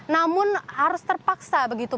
namun harus terpaksa begitu